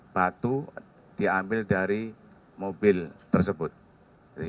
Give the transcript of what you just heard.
batu diambil dari mobil tersebut ya di situ